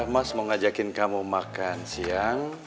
mas mau ngajakin kamu makan siang